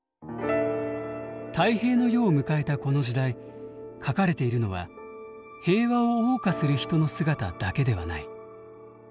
太平の世を迎えたこの時代描かれているのは平和をおう歌する人の姿だけではない。